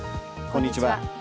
こんにちは。